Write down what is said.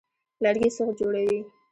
لرګي سوخت جوړوي.